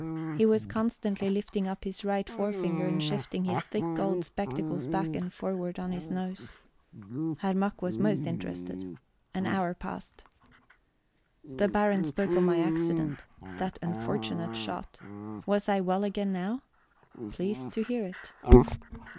He was constantly lifting up his right forefinger and shifting his thick gold spectacles back and forward on his nose. Herr Mack was most interested. An hour passed. The Baron spoke of my accident that unfortunate shot. Was I well again now? Pleased to hear it.